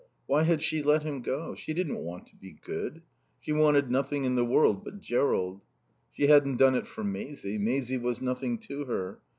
Why had she let him go? She didn't want to be good. She wanted nothing in the world but Jerrold. She hadn't done it for Maisie. Maisie was nothing to her.